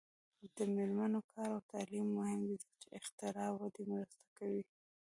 د میرمنو کار او تعلیم مهم دی ځکه چې اختراع ودې مرسته کوي.